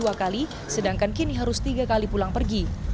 dua kali sedangkan kini harus tiga kali pulang pergi